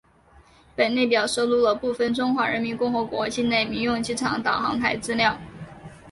本列表收录了部分中华人民共和国境内民用机场导航台资料。